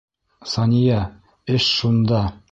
Сания, эш шунда...